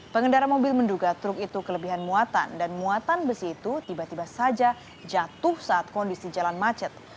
pengendara mobil menduga truk itu kelebihan muatan dan muatan besi itu tiba tiba saja jatuh saat kondisi jalan macet